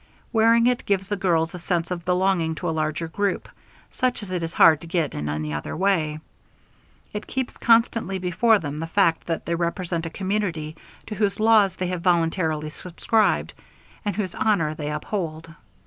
Wearing it gives the girls a sense of belonging to a larger group, such as it is hard to get in any other way. It keeps constantly before them the fact that they represent a community to whose laws they have voluntarily subscribed, and whose honor they uphold.